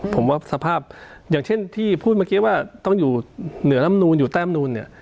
ผมว่าสภาพอย่างเช่นที่พูดเมื่อกี้ว่าต้องอยู่เหนือลำนูนอยู่แต้มนูนเนี่ย